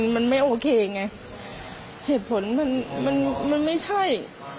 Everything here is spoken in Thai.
มันไม่โอเคไงเหตุผลมันไม่ใช่